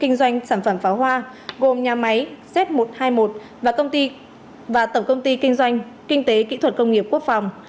kinh doanh sản phẩm pháo hoa gồm nhà máy z một trăm hai mươi một và tổng công ty kinh doanh kinh tế kỹ thuật công nghiệp quốc phòng